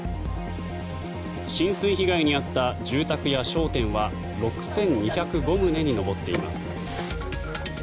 浸水被害に遭った住宅や商店は６２０５棟に上っています。